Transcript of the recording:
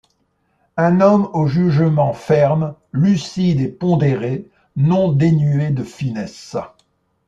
Un homme au jugement ferme, lucide et pondéré, non dénué de finesse.